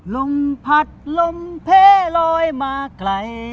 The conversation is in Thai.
ลมผัดลมเพลลอยมาไกล